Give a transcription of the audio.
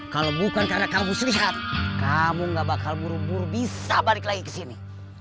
kalau bukan karena kang mus lihat kamu gak bakal buru buru bisa balik lagi kesini